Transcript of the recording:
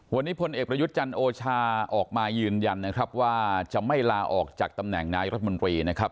วันนี้พลเอกประยุทธ์จันทร์โอชาออกมายืนยันนะครับว่าจะไม่ลาออกจากตำแหน่งนายรัฐมนตรีนะครับ